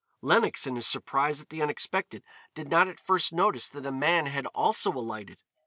Lenox, in his surprise at the unexpected, did not at first notice that a man had also alighted.